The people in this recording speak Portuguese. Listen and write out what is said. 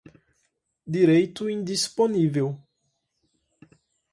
direito indisponível